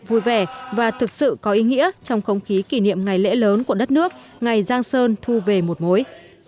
vui vẻ và thực sự có ý nghĩa trong không khí kỷ niệm ngày lễ lớn của đất nước ngày giang sơn thu về một mối